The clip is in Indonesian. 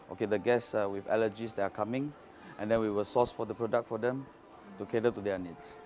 oke penumpang yang alergi yang datang dan kemudian kita akan mencari produk untuk mereka untuk mencari kebutuhan mereka